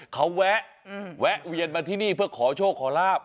เขาแวะเวียนมาที่นี่เพื่อขอโชคขอลาบ